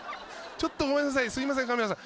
ちょっとごめんなさいすいませんカメラさん。